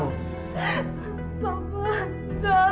bukan pada aku